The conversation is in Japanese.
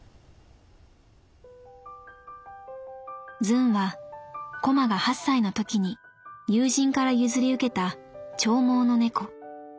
「ズンはコマが８歳の時に友人から譲り受けた長毛の猫。